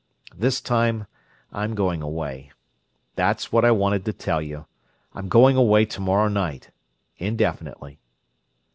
This time, I'm going away. That's what I wanted to tell you. I'm going away tomorrow night—indefinitely."